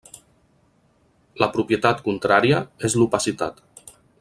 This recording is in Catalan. La propietat contrària és l'opacitat.